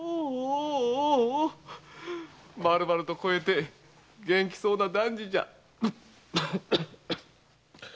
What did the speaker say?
まるまると肥えて元気そうな男児じゃ。